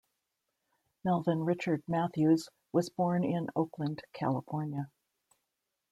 Melvin Richard Matthews was born in Oakland, California.